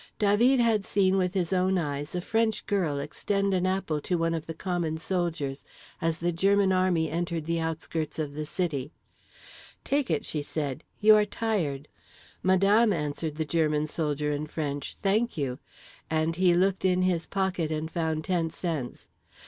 Dah veed had seen with his own eyes a French girl extend an apple to one of the common soldiers as the German army entered the outskirts of the city: "'Take it,' she said, 'you are tired.'—'Madame,' answered the German soldier in French, 'thank you'—and he looked in his pocket and found ten cents.